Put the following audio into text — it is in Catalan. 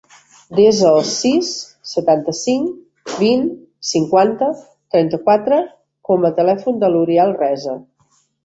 Desa el sis, setanta-cinc, vint, cinquanta, trenta-quatre com a telèfon de l'Uriel Resa.